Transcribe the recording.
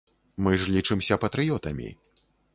Мы ж лічымся патрыётамі.